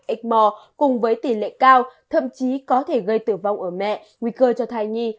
ịp mò cùng với tỷ lệ cao thậm chí có thể gây tử vong ở mẹ nguy cơ cho thai nhi